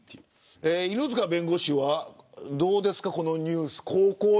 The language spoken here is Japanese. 犬塚弁護士はどうですかこのニュース。